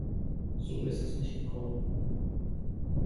So ist es nicht gekommen.